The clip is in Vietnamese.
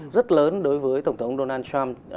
rất lớn đối với tổng thống donald trump